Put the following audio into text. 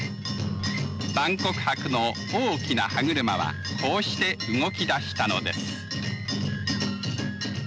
万国博の大きな歯車はこうして動き出したのです。